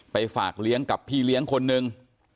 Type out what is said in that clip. ฝากเลี้ยงกับพี่เลี้ยงคนนึง